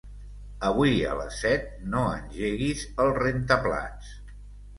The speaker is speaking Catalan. Avui a les set no engeguis el rentaplats.